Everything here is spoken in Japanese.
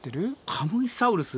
カムイサウルス？